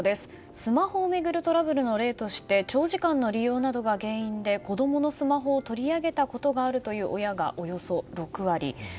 スマホを巡るトラブルの例として長時間の利用などが原因で子供のスマホを取り上げたことがあるという親がおよそ６割。